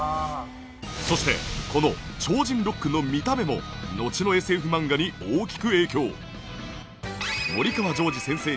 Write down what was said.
そしてこの超人ロックの見た目ものちのＳＦ漫画に大きく影響。